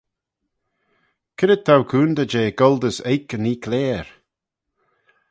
C'red t'ou coontey jeh goll dys oik yn 'eeackleyr?